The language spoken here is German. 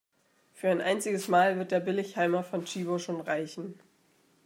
Für ein einziges Mal wird der Billigheimer von Tchibo schon reichen.